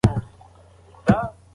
په باغ کې د مرغانو ځالې مه ورانوئ.